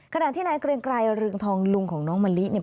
ขณะที่นายเกรงไกรเรืองทองลุงของน้องมะลิเนี่ย